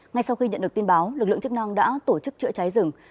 ngay sau khi nhận được tin báo lực lượng chức năng đã tổ chức chữa cháy rừng